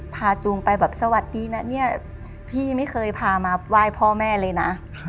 จูงไปแบบสวัสดีนะเนี่ยพี่ไม่เคยพามาไหว้พ่อแม่เลยนะ